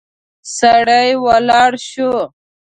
سړی ولاړ شو.